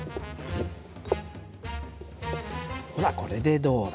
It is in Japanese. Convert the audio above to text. ほらこれでどうだろう。